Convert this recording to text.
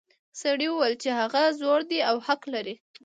سړي وویل چې هغه زوړ دی او حق لري.